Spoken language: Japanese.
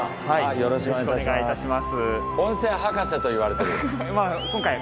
よろしくお願いします。